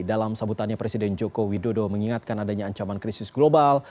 dalam sambutannya presiden joko widodo mengingatkan adanya ancaman krisis global